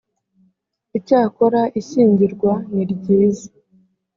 icyakora ishyingirwa ni ryiza